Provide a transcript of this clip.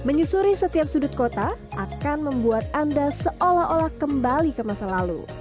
menyusuri setiap sudut kota akan membuat anda seolah olah kembali ke masa lalu